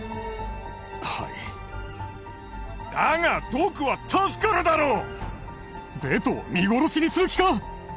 はいだがドクは助かるだろうベトを見殺しにする気か？